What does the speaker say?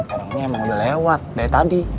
emang ini emang udah lewat dari tadi